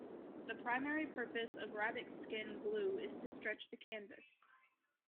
The primary purpose of Rabbit-skin glue is to stretch the canvas.